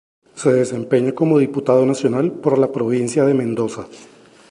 Se desempeña como diputado nacional por la provincia de Mendoza.